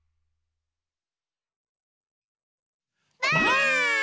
ばあっ！